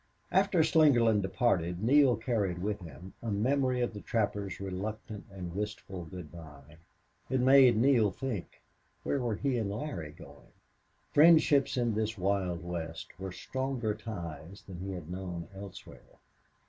After Slingerland departed Neale carried with him a memory of the trapper's reluctant and wistful good bye. It made Neale think where were he and Larry going? Friendships in this wild West were stronger ties than he had known elsewhere.